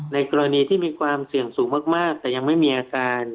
ในกรณีที่มีความเสี่ยงสูงมากแต่ยังไม่มีอาการ